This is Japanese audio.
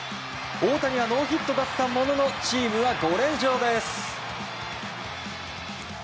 大谷はノーヒットだったもののチームは５連勝です。